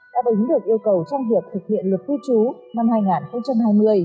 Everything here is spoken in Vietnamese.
đã đánh được yêu cầu trong việc thực hiện luật phu chú năm hai nghìn hai mươi